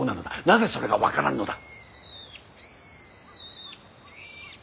なぜそれが分からんのだ。